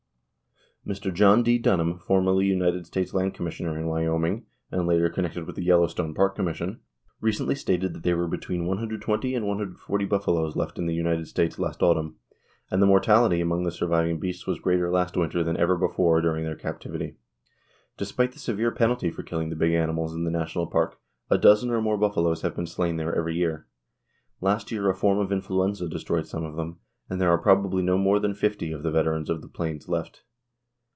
Mr. John D. Dunham, formerly United States land commissioner in Wyoming, and later connected with the Yellowstone Park commission, recently stated that there were between 120 and 140 buffaloes left in the United States last autumn, and the mortality among the surviving beasts was greater last winter than ever before during their captivity. Despite the severe penalty for killing the big animals in the National Park, a dozen or more buffaloes have been slain there every year. Last year a form of influenza destroyed some of them, and there are probably no more than fifty of the veterans of the plains left.